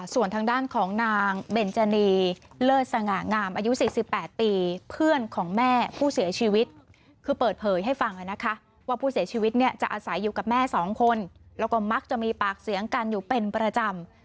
ส่วนทางด้านของนางเบนจานีเลิศสง่างามอายุ๔๘ปีเพื่อนของแม่ผู้เสียชีวิตคือเปิดเผยให้ฟังนะคะว่าผู้เสียชีวิตเนี่ยจะอาศัยอยู่กับแม่๒คนแล้วก็มักจะมีปากเสียงกันอยู่เป็นประจำ